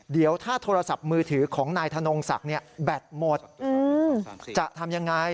เดี๋ยวถ้าโทรศัพท์มือถือของนายธนงศักดิ์แบตหมดจะทำยังไง